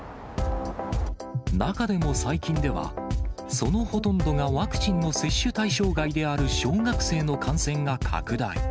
中でも最近では、そのほとんどがワクチンの接種対象外である小学生の感染が拡大。